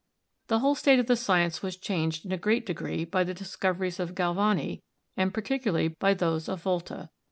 The whole state of the science was changed in a great degree by the discoveries of Galvani, and particularly by those of Volta.